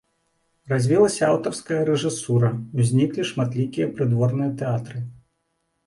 Развілася аўтарская рэжысура, узніклі шматлікія прыдворныя тэатры.